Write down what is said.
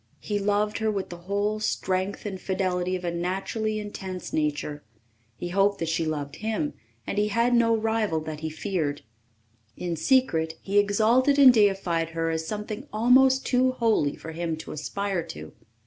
He loved her with the whole strength and fidelity of a naturally intense nature. He hoped that she loved him, and he had no rival that he feared. In secret he exalted and deified her as something almost too holy for him to aspire to.